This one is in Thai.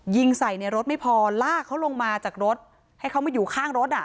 ยิงใส่ในรถไม่พอลากเขาลงมาจากรถให้เขามาอยู่ข้างรถอ่ะ